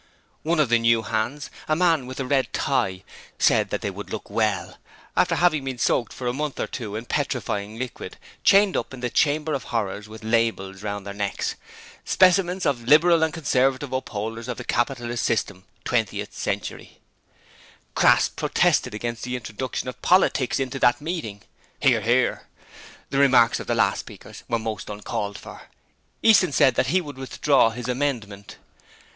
One of the new hands a man with a red tie said that they would look well, after having been soaked for a month or two in petrifying liquid, chained up in the Chamber of Horrors with labels round their necks 'Specimens of Liberal and Conservative upholders of the Capitalist System, 20 century'. Crass protested against the introduction of politics into that meeting. (Hear, hear.) The remarks of the last speakers were most uncalled for. Easton said that he would withdraw his amendment.